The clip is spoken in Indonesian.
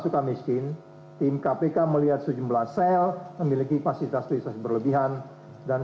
suka miskin tim kpk melihat sejumlah sel memiliki fasilitas fasilitas berlebihan dan